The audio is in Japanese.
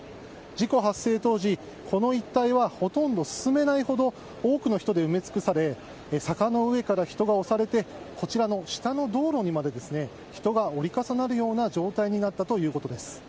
事故発生当時、この一帯はほとんど進めないほど多くの人で埋め尽くされ坂の上から人が押されてこちらの下の道路にまでですね人が折り重なるような状態になったということです。